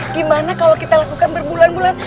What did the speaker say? gimana kalau kita lakukan berbulan bulan